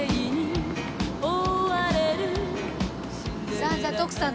さあじゃあ徳さん